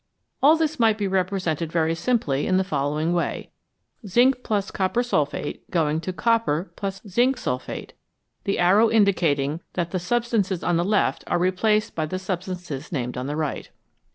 All this might be represented very simply in the following way: zinc f copper sulphate > copper fzinc sulphate, the arrow indicating that the sub stances on the left are replaced by the substances named on the right.